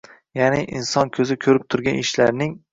Ya’ni, inson ko‘zi ko‘rib turgan ishlarning